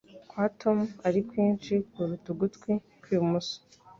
kwa Tom ari kwinshi kuruta ugutwi kw'ibumoso